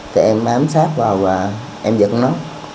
thì em áp sát vào và em giật nó